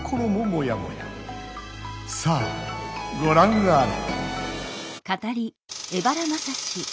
さあごらんあれ！